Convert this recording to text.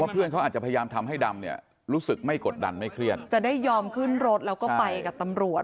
เพื่อนเขาอาจจะพยายามทำให้ดำเนี่ยรู้สึกไม่กดดันไม่เครียดจะได้ยอมขึ้นรถแล้วก็ไปกับตำรวจ